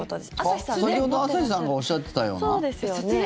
先ほど朝日さんがおっしゃってたような？